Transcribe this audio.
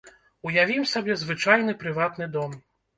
Уявім сабе звычайны прыватны дом.